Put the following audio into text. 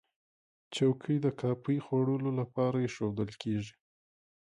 چوکۍ د کافي خوړلو لپاره ایښودل کېږي.